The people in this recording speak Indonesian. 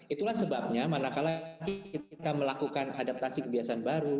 itulah sebabnya manakala kita melakukan adaptasi kebiasaan baru